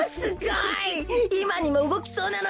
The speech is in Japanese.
いまにもうごきそうなのだ。